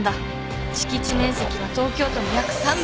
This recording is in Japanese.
敷地面積は東京都の約３分の１。